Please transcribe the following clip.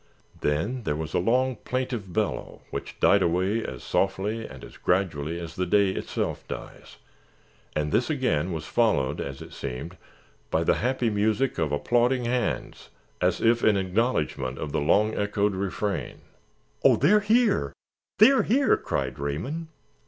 Then there was a long, plaintive bellow which died away as softly and as gradually as the day itself dies, and this again was followed, as it seemed, by the happy music of applauding hands, as if in acknowledgment of the long echoed refrain. "Oh, they're here! They're here!" cried Raymond.